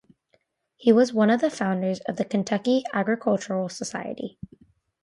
He was one of the founders of the Kentucky Agricultural Society.